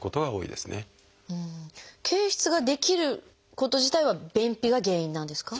憩室が出来ること自体は便秘が原因なんですか？